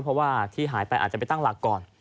เพราะว่าที่หายไปอาจจะไปตั้งหลักก่อน